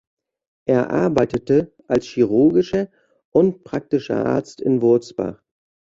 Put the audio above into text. Er arbeitete als chirurgischer und praktischer Arzt in Wurzbach.